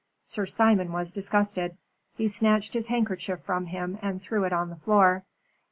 Sir Simon was disgusted. He snatched his handkerchief from him, and threw it on the floor.